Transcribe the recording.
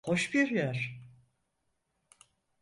Hoş bir yer.